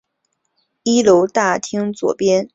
一楼大厅左边墙上挂着蔡锷画像。